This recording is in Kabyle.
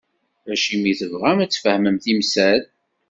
Acimi i tebɣam, a-tt-fehmem temsal?